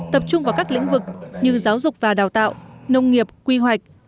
tập trung vào các lĩnh vực như giáo dục và đào tạo nông nghiệp quy hoạch